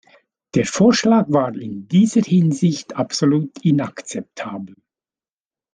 Der Vorschlag war in dieser Hinsicht absolut inakzeptabel.